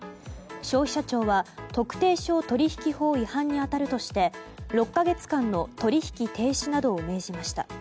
消費者庁は特定商取引法違反に当たるとして６か月間の取引停止などを命じました。